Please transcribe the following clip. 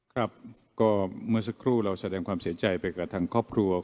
ครับก็เมื่อสักครู่เราแสดงความเสียใจไปกับทางครอบครัว